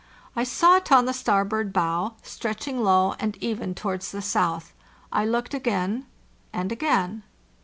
I saw it on the starboard bow, stretching low and even towards the south. I looked again and again.